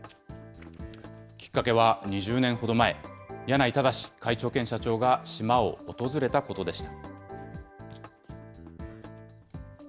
きっかけは２０年ほど前、柳井正会長兼社長が島を訪れたことでした。